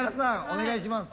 お願いします。